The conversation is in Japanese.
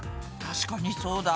確かにそうだ。